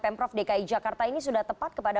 pemprov dki jakarta ini sudah tepat kepada